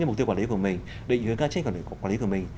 cái mục tiêu quản lý của mình định hướng cái mục tiêu quản lý của mình